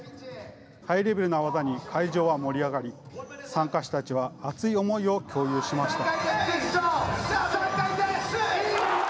ハイレベルな技に会場は盛り上がり、参加者たちは熱い思いを共有しました。